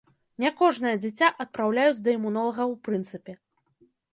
Не кожнае дзіця адпраўляюць да імунолага ў прынцыпе.